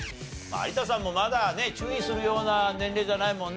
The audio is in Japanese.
有田さんもまだね注意するような年齢じゃないもんね